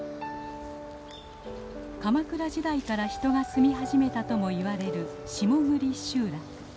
鎌倉時代から人が住み始めたともいわれる下栗集落。